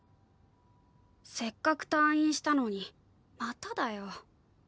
せっかく退院したのにまただよ。